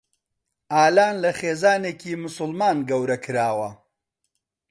ئالان لە خێزانێکی موسڵمان گەورە کراوە.